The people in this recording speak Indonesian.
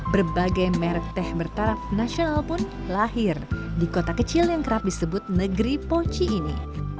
berbagai merek teh bertaraf nasional pun lahir di kota kecil yang kerap disebut negeri poci ini